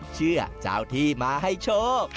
เชื่อเจ้าที่มาให้โชค